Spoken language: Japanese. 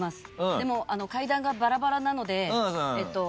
でも階段がバラバラなので。